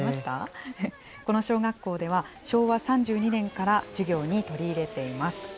この小学校では、昭和３２年から授業に取り入れています。